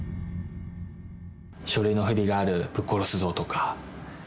書類の不備がある、ぶっ殺すぞとか。